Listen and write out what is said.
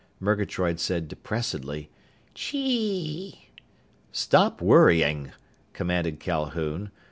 Murgatroyd said depressedly, "Chee!" "Stop worrying," commanded Calhoun.